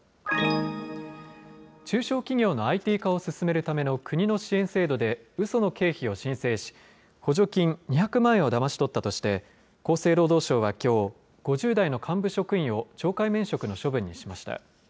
中小企業のＩＴ化を進めるための国の支援制度で、うその経費を申請し、補助金２００万円をだまし取ったとして、厚生労働省はきょう、５０代の幹部職員を懲戒免職の処分にしました。